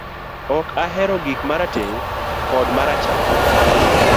Ok ahero gik marateng kod marachar